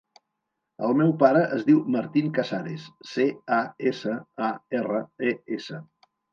El meu pare es diu Martín Casares: ce, a, essa, a, erra, e, essa.